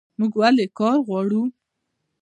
موږ ولې کار غواړو؟